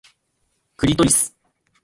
クリトリス